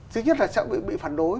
thứ nhất là sẽ bị phản đối